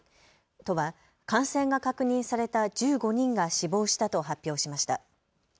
都は感染が確認された１５人が死亡したと発表しました。